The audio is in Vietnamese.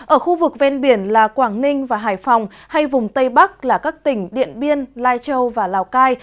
ở khu vực ven biển là quảng ninh và hải phòng hay vùng tây bắc là các tỉnh điện biên lai châu và lào cai